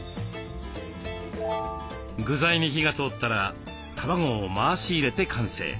具材に火が通ったら卵を回し入れて完成。